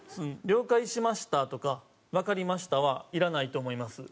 「“了解しました”とか“わかりました”はいらないと思います」